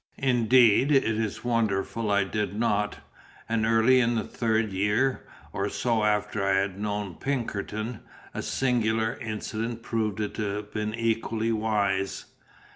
Indeed, it is wonderful I did not; and early in the third year, or soon after I had known Pinkerton, a singular incident proved it to have been equally wise.